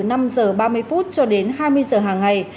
năm h ba mươi phút cho đến hai mươi h hàng ngày